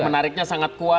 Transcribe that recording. tarik menariknya sangat kuat